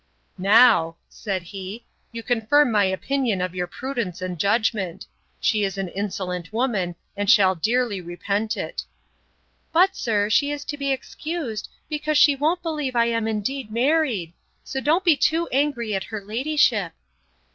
Now, said he, you confirm my opinion of your prudence and judgment. She is an insolent woman, and shall dearly repent it. But, sir, she is to be excused, because she won't believe I am indeed married; so don't be too angry at her ladyship.